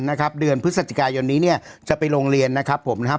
นะครับเดือนพฤศจิกายนเนี้ยจะไปลงเรียนนะครับผมนะฮะ